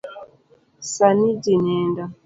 Sani ji nindo.